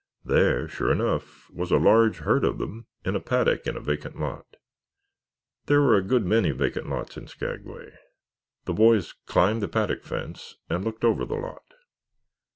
There, sure enough, was a large herd of them in a paddock in a vacant lot. There were a good many vacant lots in Skagway. The boys climbed the paddock fence and looked over the lot.